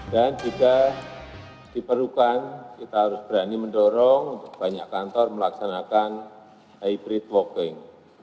dan jika diperlukan kita harus berani mendorong banyak kantor melaksanakan hybrid working